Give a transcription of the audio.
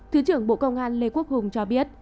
thứ trưởng bộ công an lê quốc hùng cho biết